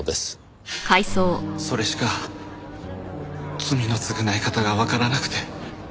それしか罪の償い方がわからなくて。